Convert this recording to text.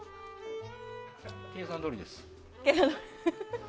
計算どおりです。